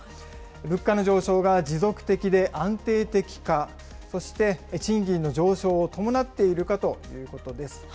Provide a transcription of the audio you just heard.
物価の上昇が持続的で安定的か、そして、賃金の上昇を伴っているかということです。